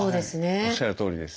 おっしゃるとおりです。